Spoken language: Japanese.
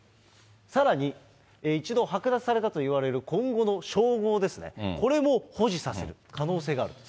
さらに、一度剥奪されたといわれる今後の称号ですね、これも保持させる可能性があるんですね。